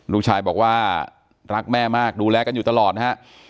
ลูกชายบอกว่ารักแม่มากดูแลกันอยู่ตลอดนะฮะ